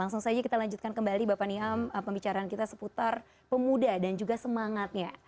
langsung saja kita lanjutkan kembali bapak niam pembicaraan kita seputar pemuda dan juga semangatnya